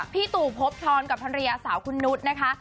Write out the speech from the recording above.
พี่ตู่พบทรกับภรรยาสาวคุณนุษย์นะคะ